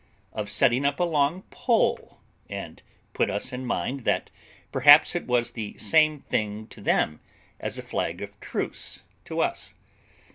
of setting up a long pole, and put us in mind that perhaps it was the same thing to them as a flag of truce to us.